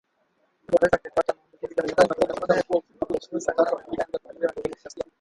Watu wanaweza kupata maambukizi ya ugonjwa wa kimeta kwa kugusa nyama ya wanyama walioathirika